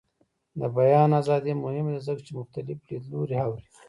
د بیان ازادي مهمه ده ځکه چې مختلف لیدلوري اوري.